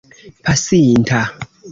pasinta